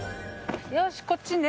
よしこっちね。